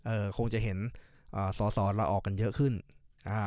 คงจะเห็นอ่าสอสอเราออกกันเยอะขึ้นอ่า